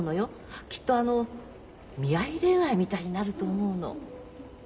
きっとあの見合い恋愛みたいになると思うの。